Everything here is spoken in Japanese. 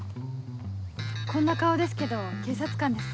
こんな顔ですけど警察官です。